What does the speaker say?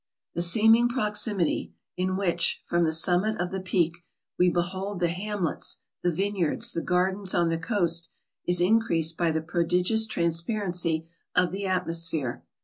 The seeming proximity, in which, from the summit of the Peak, we behold the hamlets, the vineyards, the gar dens on the coast, is increased by the prodigious trans parency of the atmosphere.